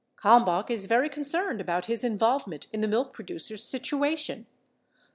Kalmbach is very concerned about his involvement m the milk producers situation. .